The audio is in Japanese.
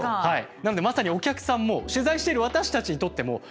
なのでまさにお客さんも取材している私たちにとってももう事件ですよ。